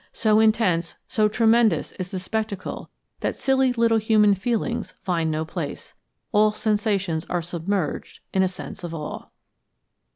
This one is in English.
So intense, so tremendous is the spectacle that silly little human feelings find no place. All sensations are submerged in a sense of awe."